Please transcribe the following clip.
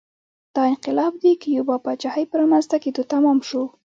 دا انقلاب د کیوبا پاچاهۍ په رامنځته کېدو تمام شو